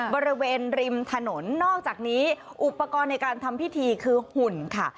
บริเวณริมถนนนอกจากนี้อุปกรณ์ในการทำพิธีคือหุ่นค่ะ